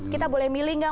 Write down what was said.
kita boleh milih nggak